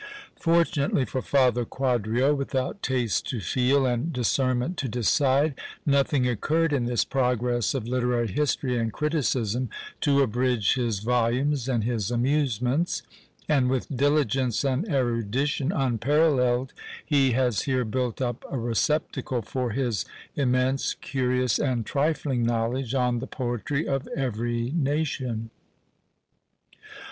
Fortunately for Father Quadrio, without taste to feel, and discernment to decide, nothing occurred in this progress of literary history and criticism to abridge his volumes and his amusements; and with diligence and erudition unparalleled, he has here built up a receptacle for his immense, curious, and trifling knowledge on the poetry of every nation.